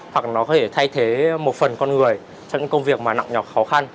hoặc nó có thể thay thế một phần con người cho những công việc mà nặng nhọc khó khăn